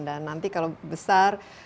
dan nanti kalau besar